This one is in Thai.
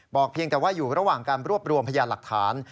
เพียงแต่ว่าอยู่ระหว่างการรวบรวมพยานหลักฐาน